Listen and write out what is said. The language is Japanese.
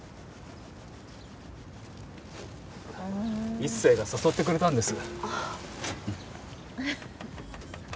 一星が誘ってくれたんです。